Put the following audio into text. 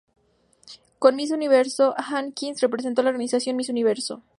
Como Miss Universo, Hawkins representó la "Organización Miss Universo".